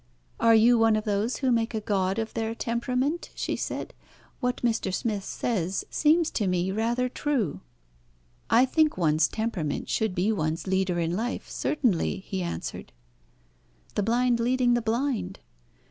"Are you one of those who make a god of their temperament?" she said. "What Mr. Smith says seems to me rather true." "I think one's temperament should be one's leader in life, certainly," he answered. "The blind leading the blind."